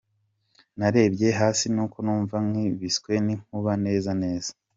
"Narebye hasi nuko numva nkubiswe n’inkuba neza neza.